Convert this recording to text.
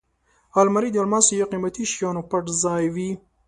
الماري د الماس یا قېمتي شیانو پټ ځای وي